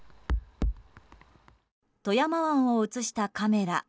富山湾を映したカメラ。